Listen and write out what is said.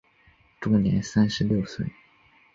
终年三十六岁。